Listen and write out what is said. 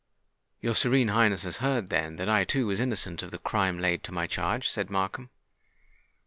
"Your Serene Highness has heard, then, that I too was innocent of the crime laid to my charge?" said Markham.